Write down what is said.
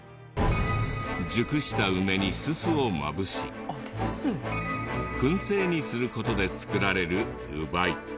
熟した梅にススをまぶし燻製にする事で作られる烏梅。